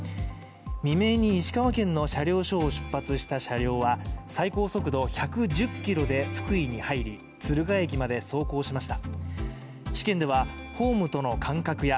未明に石川県の車両所を出発した車両は、最高速度１１０キロで福井に入り敦賀駅まで走行しました。